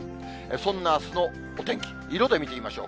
そんなあすのお天気、色で見ていきましょう。